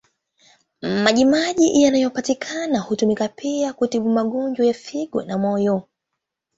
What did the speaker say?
Maji maji yanayopatikana hutumika pia kutibu magonjwa ya figo na moyo.